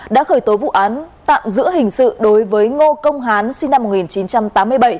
đã khởi tố vụ án tạm giữ hình sự đối với ngô công hán sinh năm một nghìn chín trăm tám mươi bảy